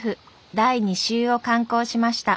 第２集を刊行しました。